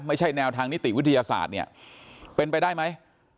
ไม่ใช่แนวทางนิติวิทยาศาสตร์เนี่ยเป็นไปได้ไหม